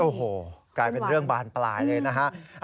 โอ้โหกลายเป็นเรื่องบานปลายเลยนะฮะ